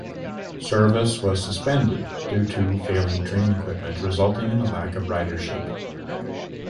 Service was suspended due to failing train equipment resulting in a lack of ridership.